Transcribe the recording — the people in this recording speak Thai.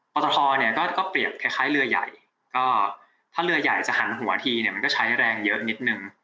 พอตทเนี่ยก็เปรียบคล้ายเรือใหญ่ก็ถ้าเรือใหญ่จะหันหัวทีเนี่ยมันก็ใช้แรงเยอะนิดนึง